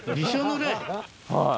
はい。